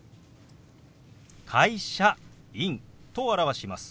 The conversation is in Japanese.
「会社」「員」と表します。